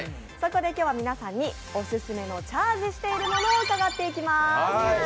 今日は皆さんにオススメのチャージしているものを伺っていきます。